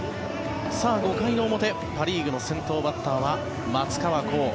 ５回の表、パ・リーグの先頭バッターは松川虎生。